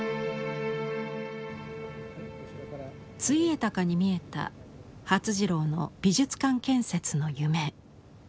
ついえたかに見えた發次郎の美術館建設の夢。